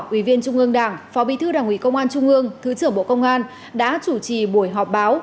ủy viên trung ương đảng phó bí thư đảng ủy công an trung ương thứ trưởng bộ công an đã chủ trì buổi họp báo